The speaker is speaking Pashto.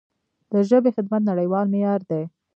د ژبې خدمت نړیوال معیار دی.